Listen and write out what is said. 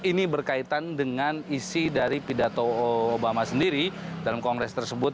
ini berkaitan dengan isi dari pidato obama sendiri dalam kongres tersebut